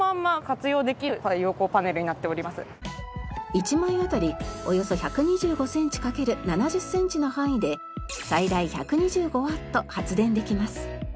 １枚あたりおよそ１２５センチ掛ける７０センチの範囲で最大１２５ワット発電できます。